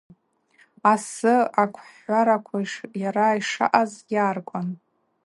Асы аквхӏвхӏвараква йара йшаъаз йаъаркӏван.